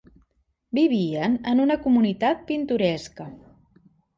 Vivien en una comunitat pintoresca.